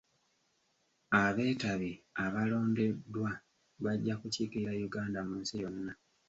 Abeetabi abalondeddwa bajja kukiikirira Uganda mu nsi yonna.